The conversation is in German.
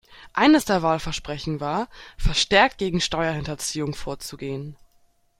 Eines der Wahlversprechen war, verstärkt gegen Steuerhinterziehung vorzugehen.